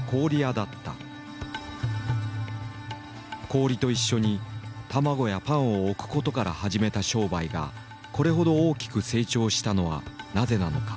氷と一緒に卵やパンを置くことから始めた商売がこれほど大きく成長したのはなぜなのか。